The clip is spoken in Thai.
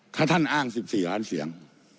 ถ้าท่านอ้าง๑๔ล้านเสียง